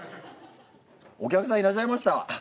お客さんいらっしゃいました。